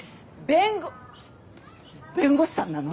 弁護弁護士さんなの？